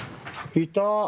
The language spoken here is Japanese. いた？